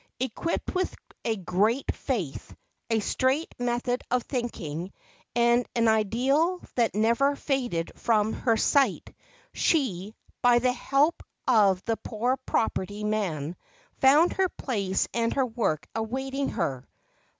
Equipped with a great faith, a straight method of thinking, and an ideal that never faded from her sight, she, by the help of the Poor Property Man, found her place and her work awaiting her.